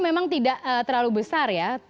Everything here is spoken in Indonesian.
memang tidak terlalu besar ya